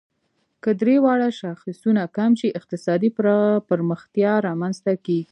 که درې واړه شاخصونه کم شي، اقتصادي پرمختیا رامنځ ته کیږي.